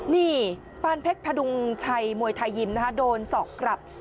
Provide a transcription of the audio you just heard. นี่ปานเพชรพดุงชัยมวยไทยยิมนะคะโดนสอกกลับ